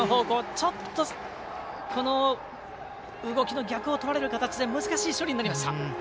ちょっと動きの逆をとられる形で難しい処理になりました。